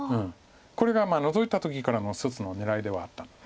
これがノゾいた時からの一つの狙いではあったんだ。